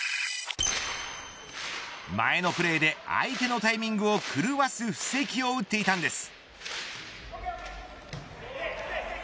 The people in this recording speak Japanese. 前のプレーで相手のタイミングを狂わす布石を打っていたんです。